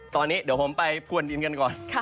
ตอนนี้เดี๋ยวผมไปพวนดินกันก่อน